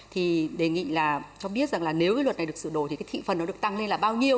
thì đề nghị là cho biết rằng là nếu cái luật này được sửa đổi thì cái thị phần nó được tăng lên là bao nhiêu